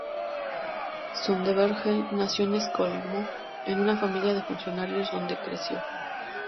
Söderberg nació en Estocolmo en una familia de funcionarios, donde creció.